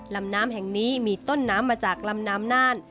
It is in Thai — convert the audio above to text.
ลำน้ำแห่งนี้มีต้นน้ำมาจากลำน้ำน่าน